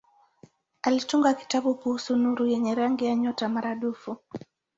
Alitunga kitabu kuhusu nuru yenye rangi ya nyota maradufu.